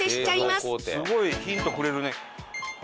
すごいヒントくれるね。